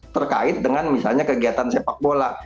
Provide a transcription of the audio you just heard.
terkait dengan misalnya kegiatan sepak bola